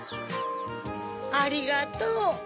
ありがとう。